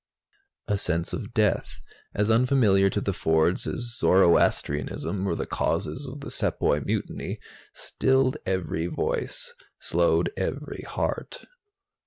A sense of death, as unfamiliar to the Fords as Zoroastrianism or the causes of the Sepoy Mutiny, stilled every voice, slowed every heart.